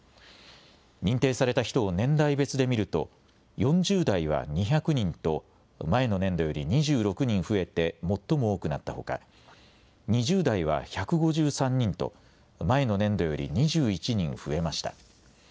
認定された人を年代別で見ると４０代は２００人と前の年度より２６人増えて最も多くなったほか、２０代は１５３人と前の年度より２１人増えました。